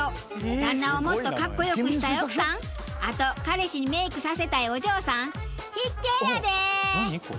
旦那をもっとかっこよくしたい奥さんあと彼氏にメイクさせたいお嬢さん必見やで！